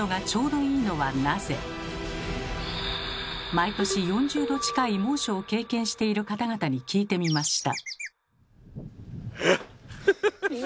毎年４０℃近い猛暑を経験している方々に聞いてみました。